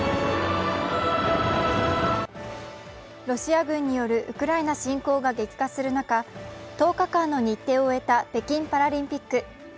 ロシア軍によるウクライナ侵攻が激化する中、１０日間の日程を終えた北京パラリンピック。